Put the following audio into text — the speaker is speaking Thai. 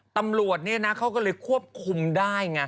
ตำรวจเขาก็เลยควบคุมได้